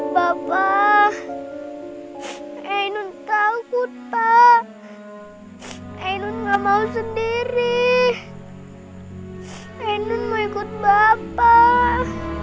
bapak ainun takut pak ainun gak mau sendiri ainun mau ikut bapak